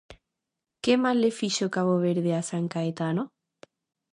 Que mal lle fixo Cabo Verde a San Caetano?